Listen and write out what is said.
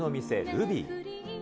ルビー。